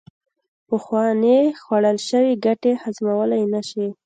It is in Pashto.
پخوانې خوړل شوې ګټې هضمولې نشي